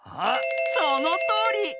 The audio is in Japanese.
そのとおり！